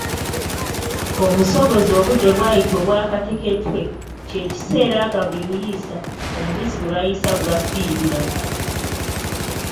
Omusogozi obudde bw'ayita obwakateketwe kye kiseera nga buli luyiisa, omubisi gwe bayiisa gubafiirira.